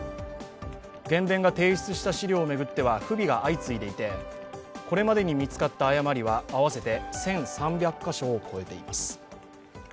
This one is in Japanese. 原電が提出した資料を巡っては不備が相次いでいて、これまでに見つかった誤りは合わせて１３００か所を超えています。